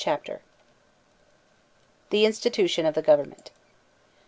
CHAPTER XVII. The Institution of the Government.